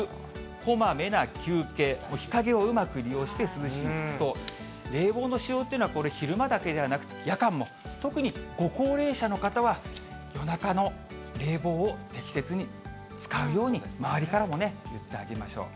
こまめな休憩、もう日陰をうまく利用して涼しい服装、冷房の使用というのはこれ、昼間だけではなくて夜間も、特にご高齢者の方は夜中の冷房を適切に使うように、周りからもね、言ってあげましょう。